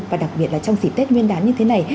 và đặc biệt là trong dịp tết nguyên đán như thế này